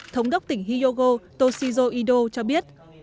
thống đốc tỉnh hyogo toshizo ido cho biết